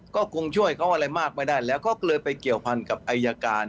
ก็คงช่วยเขาอะไรมากไม่ได้แล้วก็เลยไปเกี่ยวพันกับอายการ